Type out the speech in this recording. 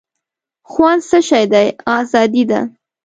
خوند څه شی دی آزادي ده.